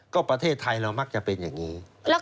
ก็ประเทศไทยเรามักจะเป็นอย่างนี้